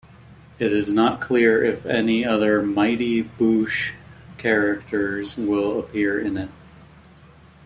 It is not clear if any other "Mighty Boosh" characters will appear in it.